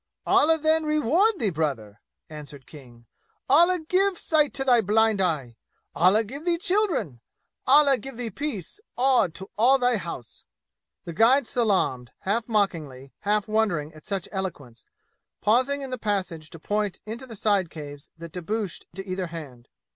"Allah, then, reward thee, brother!" answered King. "Allah give sight to thy blind eye! Allah give thee children! Allah give thee peace, and to all thy house!" The guide salaamed, half mockingly, half wondering at such eloquence, pausing in the passage to point into the side caves that debouched to either hand.